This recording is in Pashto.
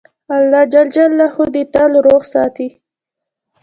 الله ج دي تل روغ ساتی